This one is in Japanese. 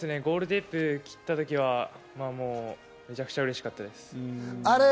ゴールテープを切った時はめちゃくちゃうれしかったです。